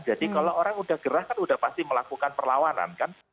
jadi kalau orang sudah gerah kan sudah pasti melakukan perlawanan kan